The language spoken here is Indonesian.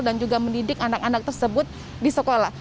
dan juga mendidik anak anak tersebut di sekolah